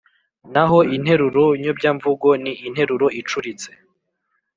. Naho interuro nyobyamvugo ni interuro icuritse